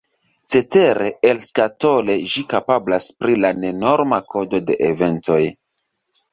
Cetere, elskatole ĝi kapablas pri la nenorma kodo de Eventoj.